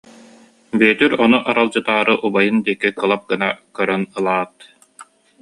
Бүөтүр ону аралдьытаары убайын диэки кылап гына көрөн ылаат: